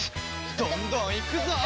どんどんいくぞ！